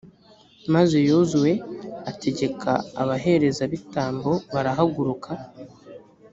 maze yozuwe ategeka abaherezabitambo barahaguruka